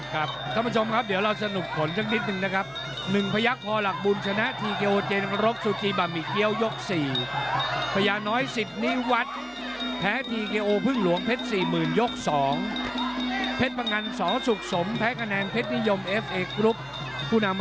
ครับท่านผู้ชมครับเดี๋ยวเราสนุกขน